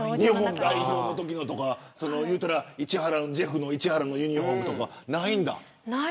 日本代表のときとか市原のユニホームとかないんだ。